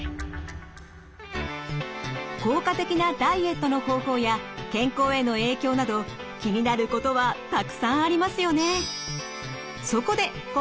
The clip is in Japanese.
効果的なダイエットの方法や健康への影響など気になることはたくさんありますよね。